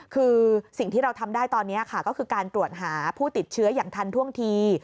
คือสิ่งที่เราทำได้ตอนนี้ค่ะก็คือการตรวจหาผู้ติดเชื้ออย่างทันท่วงที